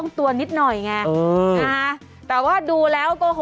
โอ้โหโอ้โหโอ้โหโอ้โหโอ้โหโอ้โหโอ้โหโอ้โห